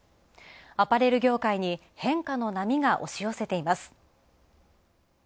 アパレル業界に変化の波が押し寄せています。